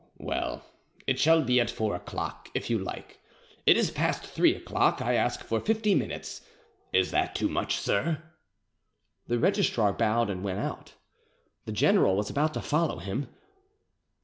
"Well, it shall be at four o'clock, if you like; it is past three o'clock. I ask for fifty minutes. Is that too much, sir?" The registrar bowed and went out. The general was about to follow him.